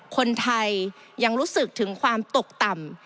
คนไทยยังรู้สึกถึงความตกต่ำ